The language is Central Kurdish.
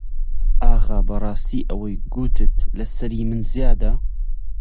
ئاغا بەڕاستی ئەوی گوتت لە سەری من زیادە